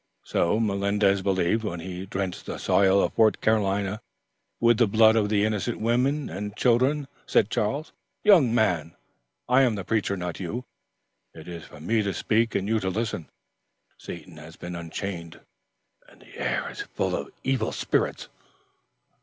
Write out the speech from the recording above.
"So Melendez believed, when he drenched the soil of Fort Carolinia with the blood of innocent women and children." "Young man, I am the preacher, not you. It is for me to speak and you to listen. Satan has been unchained, and the air is full of evil spirits."